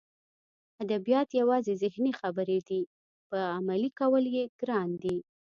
ادبیات یوازې ذهني خبرې دي چې عملي کول یې ګران دي